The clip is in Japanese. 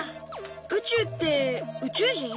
宇宙って宇宙人？